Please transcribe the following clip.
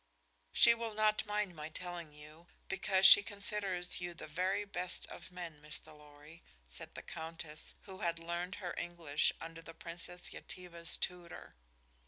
"She will not mind my telling you, because she considers you the very best of men, Mr. Lorry," said the Countess, who had learned her English under the Princess Yetive's tutor.